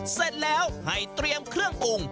เสร็จแล้วให้เตรียมเครื่องปรุง